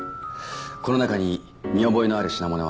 この中に見覚えのある品物はありますか？